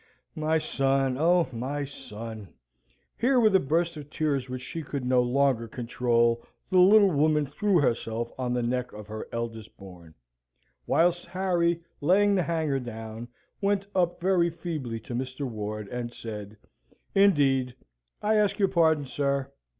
My son, O my son!" Here, with a burst of tears which she could no longer control, the little woman threw herself on the neck of her eldest born; whilst Harry, laying the hanger down, went up very feebly to Mr. Ward, and said, "Indeed, I ask your pardon, sir.